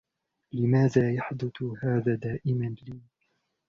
لماذا يحدث هذا دائماً لي ؟